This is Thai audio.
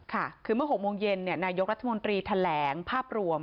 ค่ะคือเมื่อ๖โมงเย็นนายกรัฐมนตรีแถลงภาพรวม